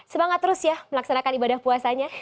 semangat terus ya melaksanakan ibadah puasanya